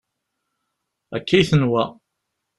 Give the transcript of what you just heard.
Akka i tenwa.